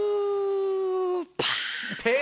パン！